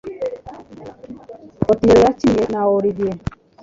Othello yakinnye na Olivier